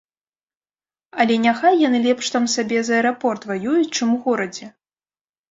Але няхай яны лепш там сабе за аэрапорт ваююць, чым у горадзе.